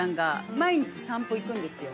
毎日散歩行くんですよ。